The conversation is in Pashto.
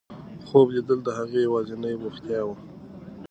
خوب لیدل د هغې یوازینۍ بوختیا وه.